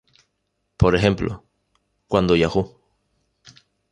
Por ejemplo, cuando Yahoo!